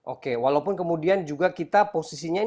oke walaupun kemudian juga kita posisinya ini di negara lain